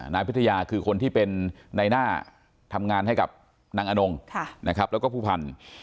นายพิทยาคือคนที่เป็นในหน้าทำงานให้กับนางอนงนะครับแล้วก็ผู้พันธุ์